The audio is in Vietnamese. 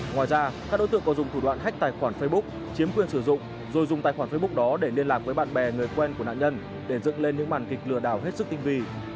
ngoài ra các đối tượng còn dùng thủ đoạn hách tài khoản facebook chiếm quyền sử dụng rồi dùng tài khoản facebook đó để liên lạc với bạn bè người quen của nạn nhân để dựng lên những màn kịch lừa đảo hết sức tinh vi